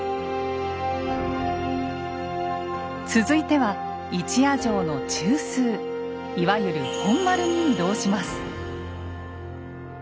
続いては一夜城の中枢いわゆる本丸に移動します。